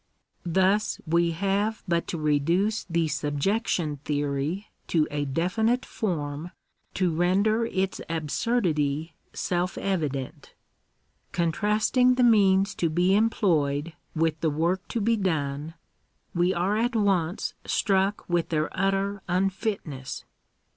Thus we have but to reduce the subjection theory to a definite form to render its absurdity self evident. Contrasting the means to be employed with the work to be done, we are at Digitized by VjOOQIC THE RIGHTS OF CHILDREN. 183 once struck with their utter unfitness.